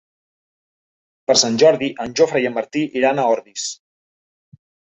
Per Sant Jordi en Jofre i en Martí iran a Ordis.